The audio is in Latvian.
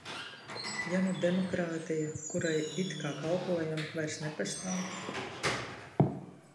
Ja nu demokrātija, kurai it kā kalpojam, vairs nepastāv?